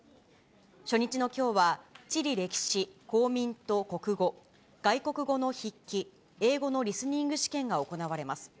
初日のきょうは、地理歴史、公民と国語、外国語の筆記、英語のリスニング試験が行われます。